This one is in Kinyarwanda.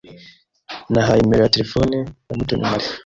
Nahaye nimero ya terefone ya Mutoni Mary.